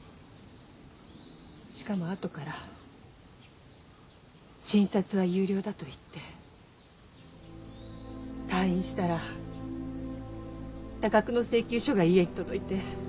しかもあとから診察は有料だと言って退院したら多額の請求書が家に届いて。